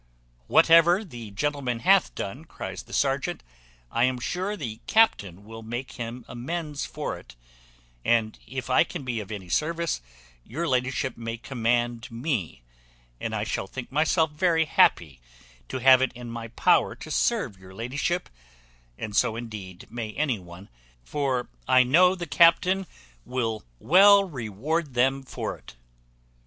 "Whatever the gentleman hath done," cries the serjeant, "I am sure the captain will make him amends for it; and if I can be of any service, your ladyship may command me, and I shall think myself very happy to have it in my power to serve your ladyship; and so indeed may any one, for I know the captain will well reward them for it."